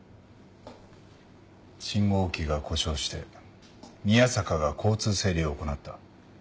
信号機が故障して宮坂が交通整理を行った。